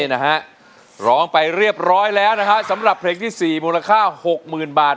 นะฮะร้องไปเรียบร้อยแล้วนะฮะสำหรับเพลงที่๔มูลค่า๖๐๐๐บาท